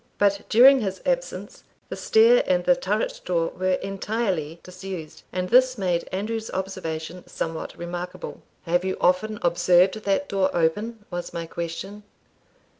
But during his absence the stair and the turret door were entirely disused, and this made Andrew's observation somewhat remarkable. "Have you often observed that door open?" was my question.